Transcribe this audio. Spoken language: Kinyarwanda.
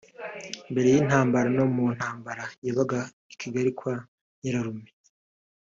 Mbere y’intambara no mu ntambara yabaga i Kigali kwa Nyirarume